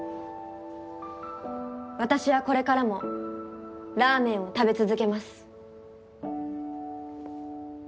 私はこれからもラーメンを食べ続けます。